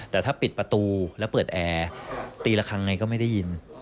แต่ถ้าปิดประตูแล้วเปิดแอร์ตีละครั้งไงก็ไม่ได้ยิน